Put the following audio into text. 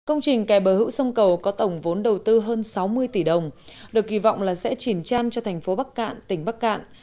công trình kè bờ hữu sông cầu có tổng vốn đầu tư hơn sáu mươi tỷ đồng được kỳ vọng là sẽ chỉnh trang cho thành phố bắc cạn tỉnh bắc cạn